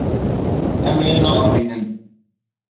Em ê neavînin.